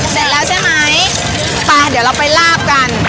เสร็จแล้วใช่ไหมไปเดี๋ยวเราไปลาบกัน